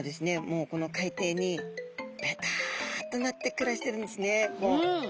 もうこの海底にベタッとなって暮らしてるんですね。